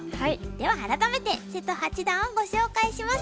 では改めて瀬戸八段をご紹介します。